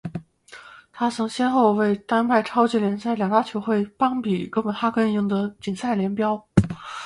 他曾先后为丹麦超级联赛两大球会邦比与哥本哈根赢得联赛锦标。